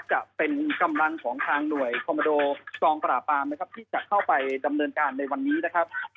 จะเป็นกำลังของทางหน่วยซมตรอปาร์และพี่ก็เข้าไปกำเนินการในวันนี้นะครับ